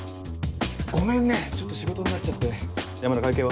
ごめんねちょっと仕事になっちゃって山田会計は？